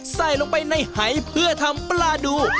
ใส่ลงไปในหายเพื่อทำปลาดู